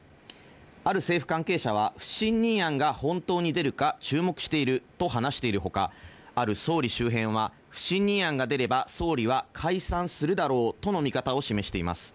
ある政府関係者は不信任案が報道に出るか注目していると話しているほか、ある総理周辺は不信任案が出れば総理は解散するだろうとの見方を示しています。